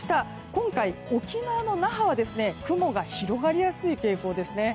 今回、沖縄の那覇は雲が広がりやすい傾向ですね。